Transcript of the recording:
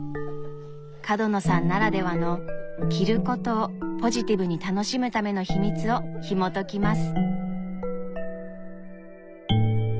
角野さんならではの着ることをポジティブに楽しむための秘密をひもときます。